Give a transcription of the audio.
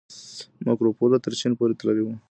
مارکوپولو تر چين پورې تللی و.